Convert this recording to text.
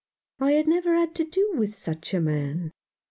I had never had to do with such a man.